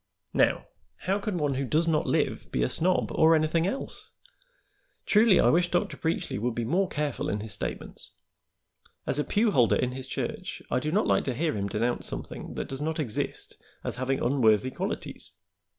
Now, how can one who does not live be a snob or anything else? Truly, I wish Dr. Preachly would be more careful in his statements. As a pew holder in his church I do not like to hear him denounce something that does not exist as having unworthy qualities.